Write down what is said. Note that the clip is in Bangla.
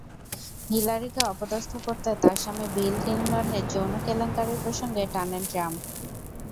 হিলারিকে অপদস্থ করতে তাঁর স্বামী বিল ক্লিনটনের যৌন কেলেঙ্কারির প্রসঙ্গ টানেন ট্রাম্প।